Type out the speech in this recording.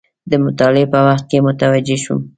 د مطالعې په وخت کې متوجه شوم.